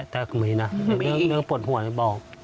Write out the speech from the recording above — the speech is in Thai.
แต่คือมีนะเนื้อปวดหัวเนี่ยบอก